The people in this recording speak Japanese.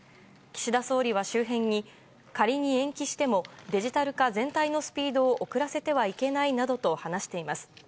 岸田総理は周辺に仮に延期してもデジタル化全体のスピードを遅らせてはいけないなどと話しています。